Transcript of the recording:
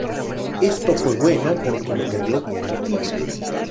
Esto fue bueno porque me cayó bien el tipo.